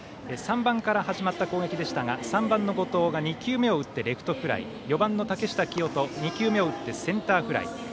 ３番から始まった攻撃でしたが３番の後藤が２球目を打ってレフトフライ４番の竹下聖人２球目を打ってセンターフライ。